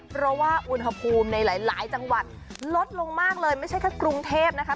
เพราะว่าอุณหภูมิในหลายจังหวัดลดลงมากเลยไม่ใช่แค่กรุงเทพนะคะ